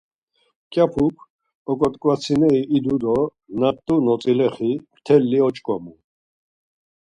Mǩyapuk oxot̆ǩvatsineri idu do na t̆u notzilexi mteli oç̌ǩomu.